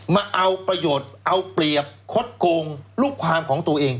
มาเอาประโยชน์เอาเปรียบคดโกงลูกความของตัวเอง